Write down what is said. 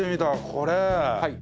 これ。